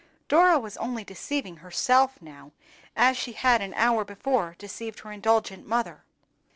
Dora was only deceiving herself now, as she had an hour before deceived her indulgent mother.